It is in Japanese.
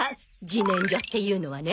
じねんじょっていうのはね